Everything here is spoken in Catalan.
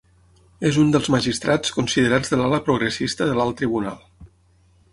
És un dels magistrats considerats de l’ala progressista de l’alt tribunal.